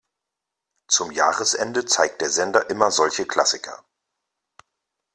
Zum Jahresende zeigt der Sender immer solche Klassiker.